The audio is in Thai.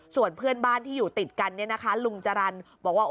ส่วนเพื่อนบ้านที่อยู่ติดกันลุงจรรย์บอกว่า